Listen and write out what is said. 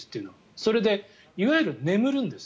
それでいわゆる眠るんです。